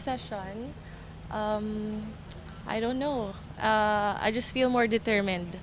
saya hanya merasa lebih berdeterment